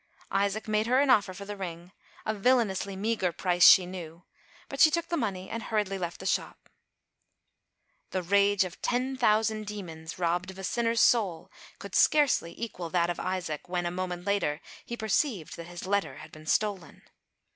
Isaac made her an offer for the ring, a villainously meagre price she knew, but she took the money and hurriedly left the shop. ALICE ; OR, THE WAGES OF SIN. 55 The rage of ten thousand demons, robbed of a sinner's soul, could scarcely equal that of Isaac, when, a moment later, he perceived that his letter had been stolen.